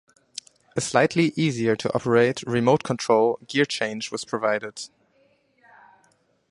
A slightly easier to operate remote-control gear-change was provided.